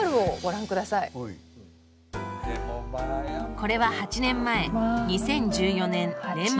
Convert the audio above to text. これは８年前２０１４年年末